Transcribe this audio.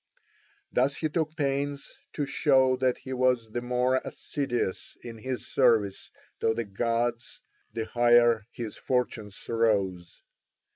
Thus he took pains to show that he was the more assiduous in his service to the gods the higher his fortunes rose.